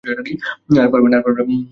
আর পারবে না।